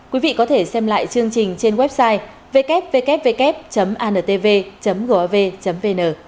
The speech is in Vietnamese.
quý vị có thể xem lại chương trình trên website www antv gov vn